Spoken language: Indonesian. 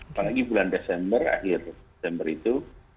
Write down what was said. apalagi bulan desember akhir desember itu